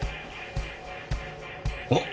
あっ！？